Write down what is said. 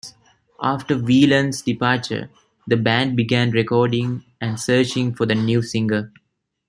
After Weiland's departure, the band began recording and searching for a new singer.